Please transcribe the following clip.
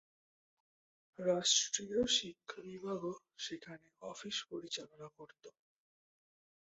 রাষ্ট্রীয় শিক্ষা বিভাগও সেখানে অফিস পরিচালনা করত।